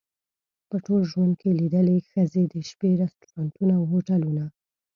په ټول ژوند کې لیدلې ښځې د شپې رستورانتونه او هوټلونه.